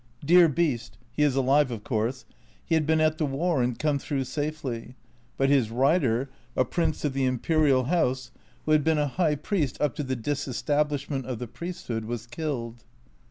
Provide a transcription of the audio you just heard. Dear beast (he is alive, of course), he had been at the war and come through safely, but his rider, a prince of the Imperial house, who had been a High Priest up to the dis establishment of the priesthood, was killed.